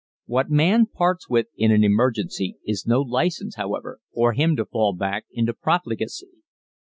_ What man parts with in an emergency is no license, however, for him to fall back into profligacy.